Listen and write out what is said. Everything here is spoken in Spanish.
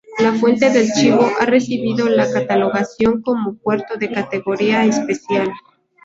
La Fuente del Chivo ha recibido la catalogación como puerto de categoría especial.